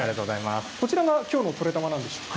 こちらがきょうの「トレたま」なんでしょうか。